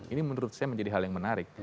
ini menurut saya menjadi hal yang menarik